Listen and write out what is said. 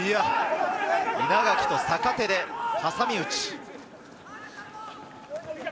稲垣と坂手で挟み撃ち。